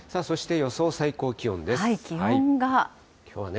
そして予想最高気温です。